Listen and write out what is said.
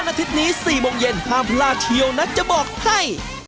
ล่านอเทศนี้๔โมงเย็นห้ามลาเทียวนัดจะบอกให้